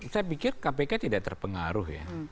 saya pikir kpk tidak terpengaruh ya